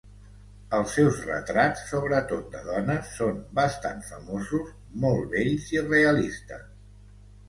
Els seus retrats, sobretot de dones, són bastant famosos, molt bells i realistes.